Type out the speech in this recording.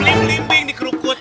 bling bling bling nih kerukut